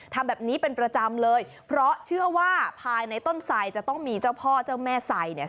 ทำแบบนี้เป็นประจำเลยเพราะเชื่อว่าภายในต้นไสจะต้องมีเจ้าพ่อเจ้าแม่ไซเนี่ย